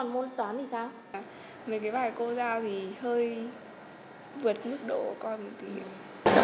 mấy cái bài cô giao thì hơi vượt mức độ của con một tí